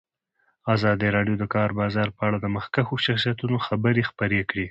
ازادي راډیو د د کار بازار په اړه د مخکښو شخصیتونو خبرې خپرې کړي.